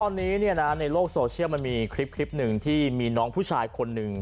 ตอนนี้ในโลกโซเชียลมันมีคลิปหนึ่งที่มีน้องผู้ชายคนหนึ่ง